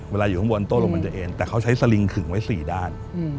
อยู่ข้างบนโต้ลงมันจะเอ็นแต่เขาใช้สลิงขึงไว้๔ด้าน